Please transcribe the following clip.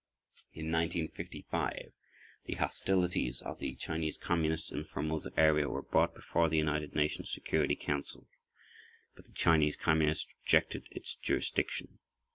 In 1955 the hostilities of the Chinese Communists in the Formosa area were brought before the United Nations Security Council. But the Chinese Communists rejected its jurisdiction.